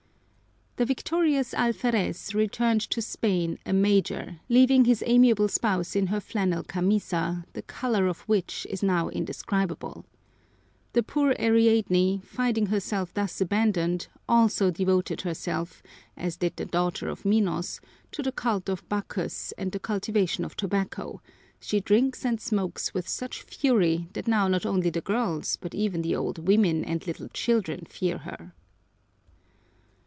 The victorious alferez returned to Spain a major, leaving his amiable spouse in her flannel camisa, the color of which is now indescribable. The poor Ariadne, finding herself thus abandoned, also devoted herself, as did the daughter of Minos, to the cult of Bacchus and the cultivation of tobacco; she drinks and smokes with such fury that now not only the girls but even the old women and little children fear her.